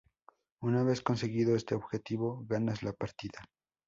Una vez conseguido este objetivo ganas la partida.